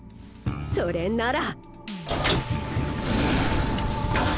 それなら。